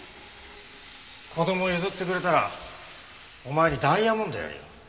子供譲ってくれたらお前にダイヤモンドやるよ。